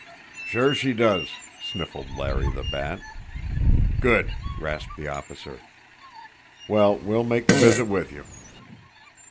"Sure she does!" sniffled Larry the Bat. "Good!" rasped the officer. "Well, we'll make the visit with you.